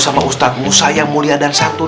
sama ustag musa yang mulia dan satun